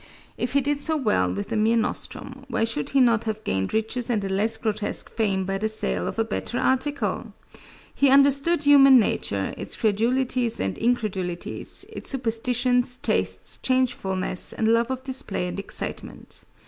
If he did so well with a mere nostrum, why should he not have gained riches and a less grotesque fame by the sale of a better article? He understood human nature, its credulities and incredulities, its superstitions, tastes, changefulness, and love of display and excitement.